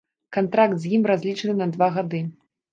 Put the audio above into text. Кантракт з ім разлічаны на два гады.